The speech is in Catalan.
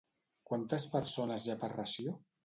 Quantes persones hi ha per ració?